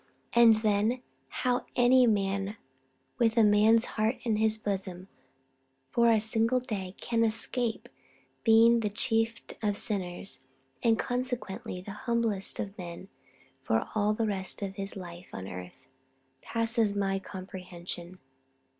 And, then, how any man with a man's heart in his bosom for a single day can escape being the chief of sinners, and consequently the humblest of men for all the rest of his life on earth, passes my comprehension!